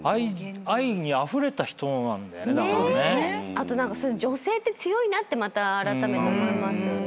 あと女性って強いなってあらためて思いますよね。